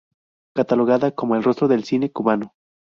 Catalogada como "El Rostro del Cine Cubano".